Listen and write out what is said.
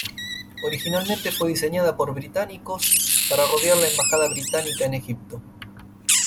Originalmente fue diseñada por británicos para rodear la embajada británica en Egipto.